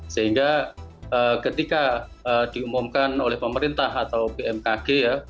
sehingga ketika diumumkan oleh pemerintah atau bmkg ya